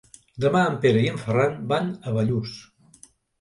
Demà en Pere i en Ferran van a Bellús.